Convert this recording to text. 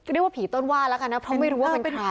เรียกว่าผีต้นว่าแล้วกันนะเพราะไม่รู้ว่าเป็นใคร